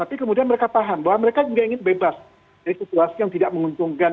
tapi kemudian mereka paham bahwa mereka juga ingin bebas dari situasi yang tidak menguntungkan